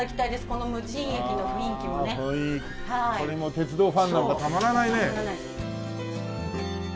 これも鉄道ファンなんかたまらないね。